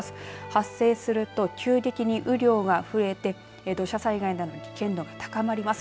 発生すると急激に雨量が増えて土砂災害などの危険度が高まります。